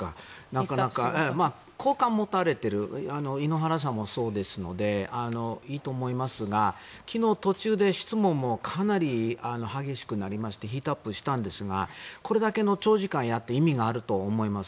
なかなか好感を持たれている井ノ原さんもそうですのでいいと思いますが、昨日、途中で質問もかなり激しくなりましてヒートアップしたんですがこれだけの長時間やって意味があると思います。